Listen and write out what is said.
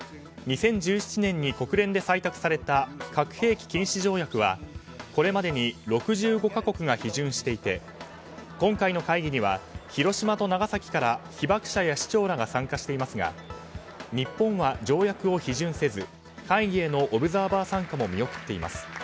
２０１７年に国連で採択された核兵器禁止条約はこれまでに６５か国が批准していて今回の会議には広島と長崎から被爆者や市長らが参加していますが日本は条約を批准せず会議へのオブザーバー参加も見送っています。